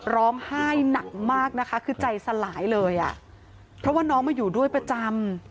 ร้องไห้หนักมากนะคะคือใจสลายเลยอ่ะเพราะว่าน้องมาอยู่ด้วยประจำ